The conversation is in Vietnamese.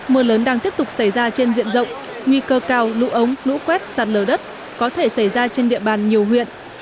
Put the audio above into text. mưa lớn đang tiếp tục xảy ra trên diện rộng nguy cơ cao lũ ống lũ quét sạt lờ đất có thể xảy ra trên địa bàn nhiều huyện